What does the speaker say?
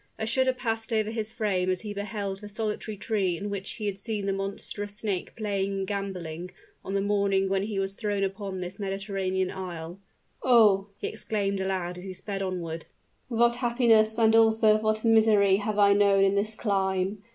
A shudder passed over his frame as he beheld the solitary tree in which he had seen the monstrous snake playing and gamboling, on the morning when he was thrown upon this Mediterranean isle. "Oh!" he exclaimed aloud, as he sped onward, "what happiness and also what misery have I known in this clime.